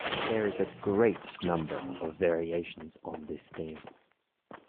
There are a great number of variations on this theme.